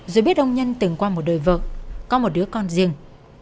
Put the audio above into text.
rồi biết ông nhân từng qua một đời vợ có một đứa con riêng